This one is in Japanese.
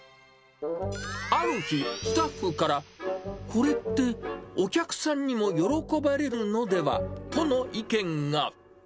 ある日、スタッフからこれってお客さんにも喜ばれるのでは？との意見が。